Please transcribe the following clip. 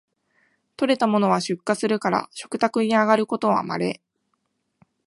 採れたものは出荷するから食卓にあがることはまれ